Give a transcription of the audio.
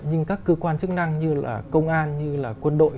nhưng các cơ quan chức năng như là công an như là quân đội